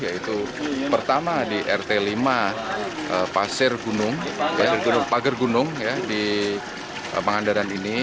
yaitu pertama di rt lima pasir gunung pager gunung di pangandaran ini